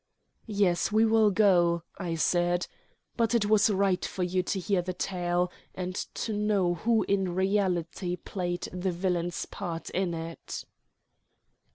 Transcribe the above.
"Yes, we will go," I said. "But it was right for you to hear the tale, and to know who in reality played the villain's part in it."